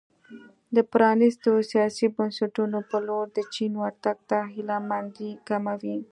د پرانیستو سیاسي بنسټونو په لور د چین ورتګ ته هیله مندي کموي.